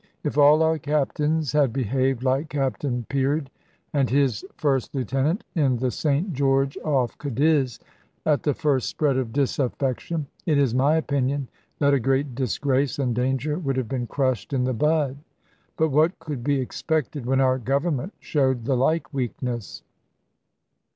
If all our Captains had behaved like Captain Peard and his first lieutenant, in the St George off Cadiz, at the first spread of disaffection, it is my opinion that a great disgrace and danger would have been crushed in the bud. But what could be expected when our Government showed the like weakness?